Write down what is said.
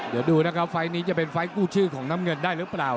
เดี๋ยวดูนะครับไฟล์นี้จะเป็นไฟล์กู้ชื่อของน้ำเงินได้หรือเปล่า